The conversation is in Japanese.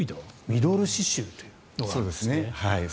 ミドル脂臭というのがあるんですね。